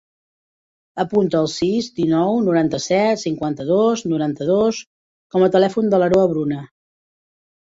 Apunta el sis, dinou, noranta-set, cinquanta-dos, noranta-dos com a telèfon de l'Aroa Bruna.